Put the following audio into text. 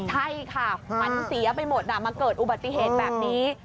ใช่ค่ะมันเสียไปหมดมาเกิดอุบัติเหตุแบบนี้